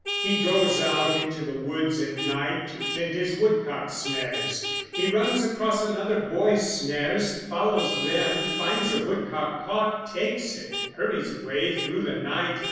He goes out into the woods at night to tend his woodcock snares; he runs across another boy's snares, follows them, finds a woodcock caught, takes it, hurries away through the night.